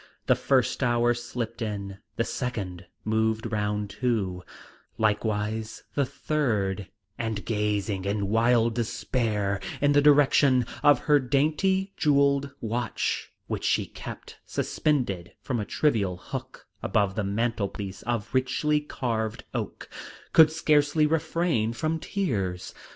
The first hour slipped in, the second moved round too, likewise the third; and, gazing in wild despair in the direction of her dainty jewelled watch, which she kept suspended from a trivial hook above the mantelpiece of richly carved oak, could scarcely refrain from tears.